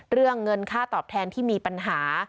เรื่องเงินค่าตอบแทนที่มีปัญหา